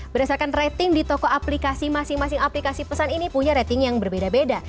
berdasarkan rating di toko aplikasi masing masing aplikasi pesan ini punya rating yang berbeda beda